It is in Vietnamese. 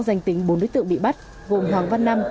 danh tính bốn đối tượng bị bắt gồm hoàng văn năm